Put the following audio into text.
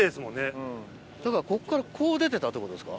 こっからこう出てたってことですか？